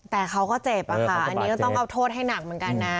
แต่เขาก็เจ็บอะค่ะอันนี้ก็ต้องเอาโทษให้หนักเหมือนกันนะ